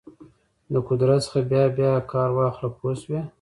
د قدرت څخه بیا بیا کار واخله پوه شوې!.